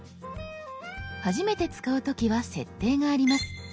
初めて使う時は設定があります。